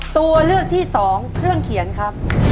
ตัวเลือกที่สองเครื่องเขียนครับ